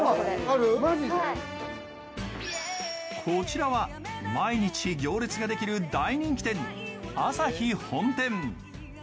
こちらは毎日行列ができる大人気店、あさひ本店。